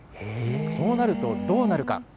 そうなるとどうなるか。